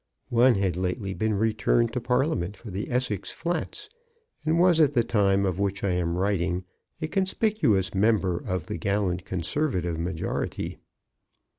One had lately been returned to Parliament for the Essex Flats, and was at the time of which I am writ ing a conspicuous member of the gallant Con servative majority.